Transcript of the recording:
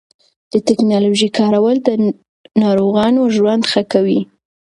د ټېکنالوژۍ کارول د ناروغانو ژوند ښه کوي.